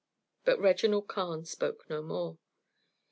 But Reginald Carne spoke no more.